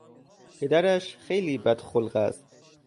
پدرش خیلی بدخلق است.